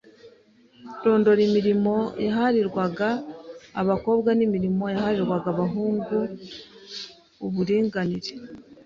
Rondora imirimo yaharirwaga abakowa n’imirimo yaharirwaga ahungu uuringanire